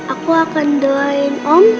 aku akan doain om